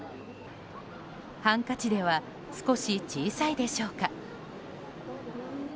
ハンカチでは少し小さいでしょうか。